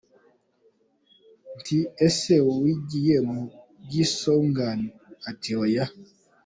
Nti ‘ese wagiye mu bwisungane?’ Ati ‘oya’.